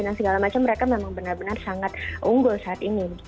dan segala macam mereka memang benar benar sangat unggul saat ini